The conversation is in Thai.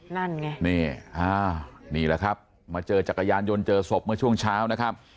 นั่นไงนี่นี่แหละครับมาเจอจักรยานยนต์เจอศพเมื่อช่วงเช้านะครับ